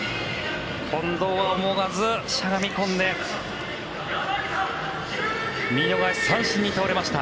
近藤は思わずしゃがみ込んで見逃し三振に倒れました。